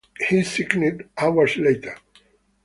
He signed hours later.